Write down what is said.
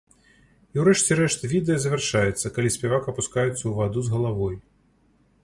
І ў рэшце рэшт відэа завяршаецца, калі спявак апускаецца ў ваду з галавой.